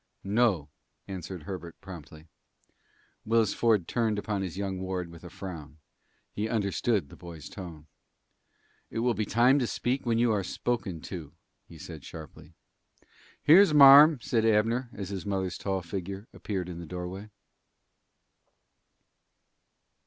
"No," answered Herbert promptly. Willis Ford turned upon his young ward with a frown. He understood the boy's tone. "It will be time to speak when you are spoken to," he said sharply. "Here's marm'" said Abner, as his mother's tall figure appeared in the doorway.